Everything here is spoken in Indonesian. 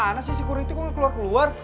gimana sih security kok keluar keluar